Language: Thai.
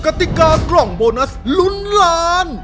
ติกากล่องโบนัสลุ้นล้าน